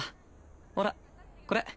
ほらこれ。